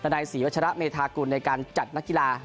ในศรีวัชระเมธากุลในการจัดนักกีฬา